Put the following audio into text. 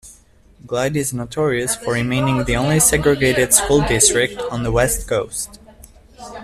Glide is notorious for remaining the only segregated school district on the West coast.